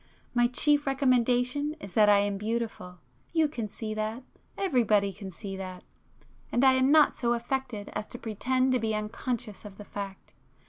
My chief recommendation is that [p 203] I am beautiful,—you can see that; everybody can see that,—and I am not so affected as to pretend to be unconscious of the fact.